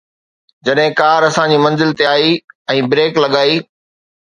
جڏهن ڪار اسان جي منزل تي آئي ۽ بريڪ لڳائي